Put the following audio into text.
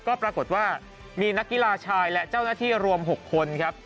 ก็ปรากฏว่ามีนักกีฬาชายและเจ้าหน้าที่รวม๖คนครับ